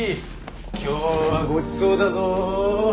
今日はごちそうだぞ。